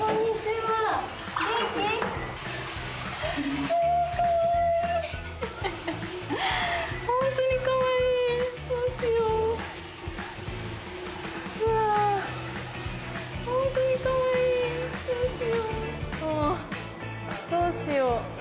もうどうしよう？